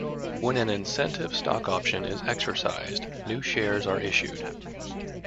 When an incentive stock option is exercised, new shares are issued.